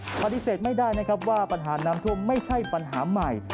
พฤตไม่ได้ว่าปัญหานำท่วมไม่ใช่ปัญหาใหม่